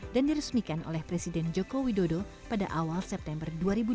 dan diresmikan oleh presiden joko widodo pada awal september dua ribu dua puluh satu